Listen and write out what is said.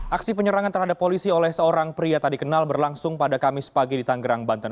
aksi penyerangan terhadap polisi oleh seorang pria tadi kenal berlangsung pada kamis pagi di tanggerang banten